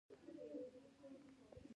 کهکشانونه د ستورو لوی ښارونه دي.